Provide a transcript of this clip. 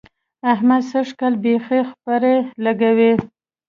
احمد سږ کال بېخي خپړې لګوي.